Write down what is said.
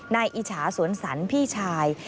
อิจฉาสวนสรรพี่ชาย